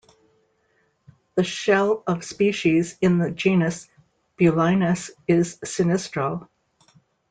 The shell of species in the genus "Bulinus" is sinistral.